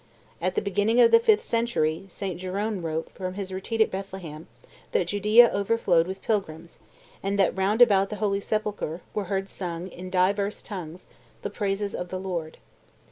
At the beginning of the fifth century, St. Jerome wrote, from his retreat at Bethlehem, that Judea overflowed with pilgrims, and that, round about the Holy Sepulchre, were heard sung, in divers tongues, the praises of the Lord.